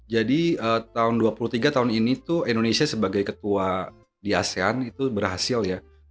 jadi tahun dua puluh tiga tahun ini tuh indonesia sebagai ketua di asean itu berhasil ya